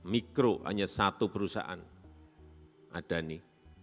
mikro hanya satu perusahaan adani